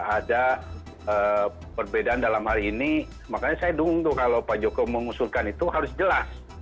ada perbedaan dalam hal ini makanya saya dung tuh kalau pak jokowi mengusulkan itu harus jelas